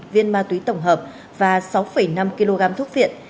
viên ma túy tổng hợp và sáu năm kg thuốc viện